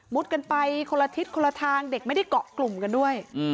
กันไปคนละทิศคนละทางเด็กไม่ได้เกาะกลุ่มกันด้วย